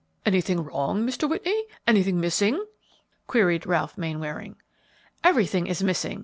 "Anything wrong, Mr. Whitney? anything missing?" queried Ralph Mainwaring. "Everything is missing!"